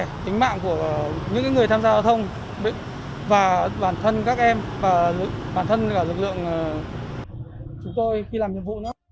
tính mạng của những người tham gia giao thông và bản thân các em và bản thân lực lượng chúng tôi khi làm nhiệm vụ nữa